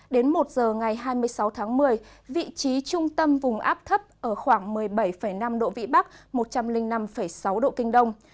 đến một giờ ngày hai mươi sáu tháng một mươi vị trí trung tâm vùng áp thấp ở khoảng một mươi bảy năm độ vĩ bắc một trăm linh năm sáu độ kinh đông